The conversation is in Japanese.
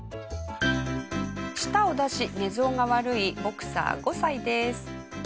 舌を出し寝相が悪いボクサー５歳です。